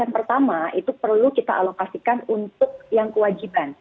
pertama itu perlu kita alokasikan untuk yang kewajiban